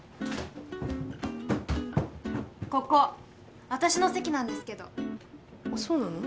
ここ私の席なんですけどそうなの？